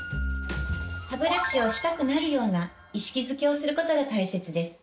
歯ブラシをしたくなるような意識づけをすることが大切です。